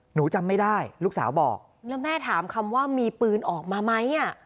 หนูจำไม่ได้ลูกสาวบอกแล้วแม่ถามคำว่ามีปืนออกมาไหมอ่ะ